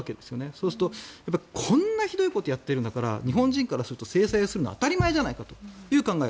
そうするとこんなひどいことをやっているんだから日本人からすると制裁するのは当たり前じゃないかという考え。